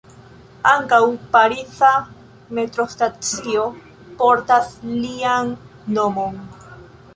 Ankaŭ pariza metrostacio portas lian nomon.